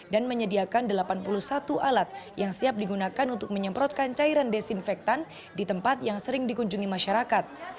dan menyediakan delapan puluh satu alat yang siap digunakan untuk menyemprotkan cairan desinfektan di tempat yang sering dikunjungi masyarakat